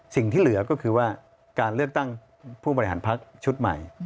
สิ่งที่เหลือก็คือว่าการเลือกตั้งผู้บริหารพักชุดใหม่